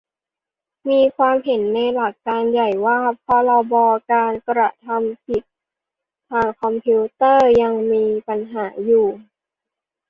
มีความเห็นในหลักการใหญ่ว่า พรบการกระทำความผิดทางคอมพิวเตอร์ยังมีปัญหาอยู่